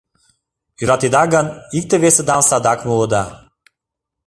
Йӧратеда гын, икте-весыдам садак муыда.